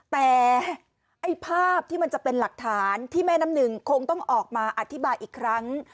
แต่ไอ้ภาพที่มันจะเป็นหลักฐานที่แม่น้ำหนึ่งคงต้องออกมาอธิบายอีกครั้ง